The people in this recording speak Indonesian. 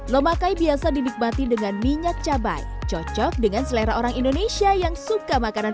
lomakai biasa dinikmati dengan minyak cabai cocok dengan selera orang indonesia yang suka makanan